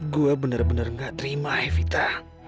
gue bener bener gak terima ya vita